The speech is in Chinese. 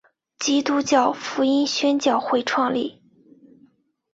基督教福音宣教会创立。